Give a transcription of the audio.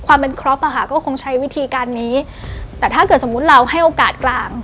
ก็คงใช้วิธีการนี้แต่ถ้าเกิดสมมุติเราให้โอกาสกลาง